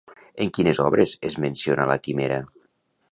En quines obres es menciona la Quimera?